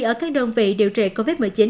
ở các đơn vị điều trị covid một mươi chín